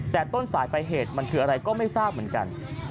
แต่ต้นสายไปเหตุมันคืออะไรก็ไม่ทราบเหมือนกัน